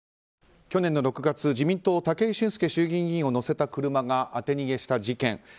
去年の６月、自民党武井俊輔衆議院議員を乗せた車が当て逃げした事件。